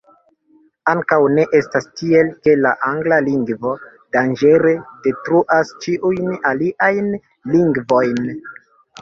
Ankaŭ ne estas tiel, ke la angla lingvo danĝere detruas ĉiujn aliajn lingvojn.